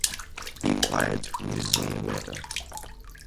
‘Be quiet’ resumed Wardle.